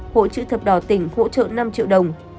hỗ trợ thập đỏ tỉnh hỗ trợ năm triệu đồng